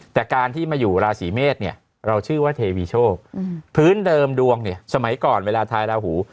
แต่การที่มาอยู่ราศีเมษเนี่ยเราชื่อว่าเทวีโชคพื้นเดิมดวงเนี่ยสมัยก่อนเวลาท้ายราหู